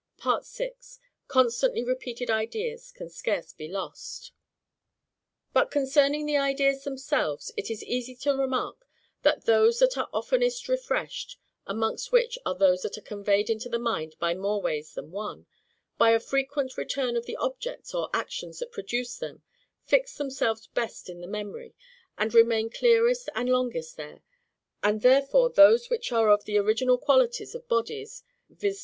6. Constantly repeated Ideas can scarce be lost. But concerning the ideas themselves, it is easy to remark, that those that are oftenest refreshed (amongst which are those that are conveyed into the mind by more ways than one) by a frequent return of the objects or actions that produce them, fix themselves best in the memory, and remain clearest and longest there; and therefore those which are of the original qualities of bodies, viz.